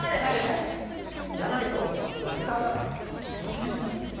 そうじゃないと、おじさんだから。